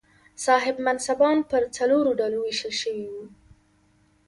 صاحب منصبان پر څلورو ډلو وېشل شوي وو.